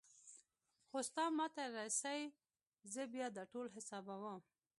خو ستا ما ته رسي زه بيا دا ټول حسابوم.